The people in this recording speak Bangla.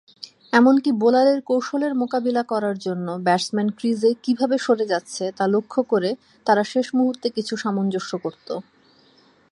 এমনকি বোলারের কৌশলের মোকাবিলা করার জন্য ব্যাটসম্যান ক্রিজে কিভাবে সরে যাচ্ছে তা "লক্ষ্য" করে তারা শেষ মুহুর্তে কিছু সামঞ্জস্য করত।